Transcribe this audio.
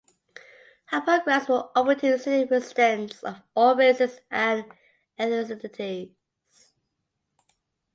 Her programs were open to city residents of all races and ethnicities.